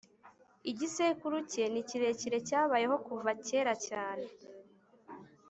. Igisekuru cye ni kirekire cyabayeho kuva kera cyane